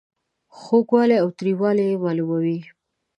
خوږوالی او تریووالی یې معلوموي.